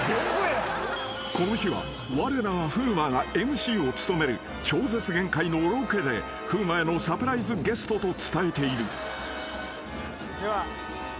［この日はわれらが風磨がＭＣを務める『超絶限界』のロケで風磨へのサプライズゲストと伝えている］